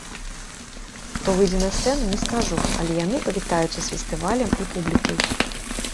Хто выйдзе на сцэну, не скажу, але яны павітаюцца з фестывалем і публікай.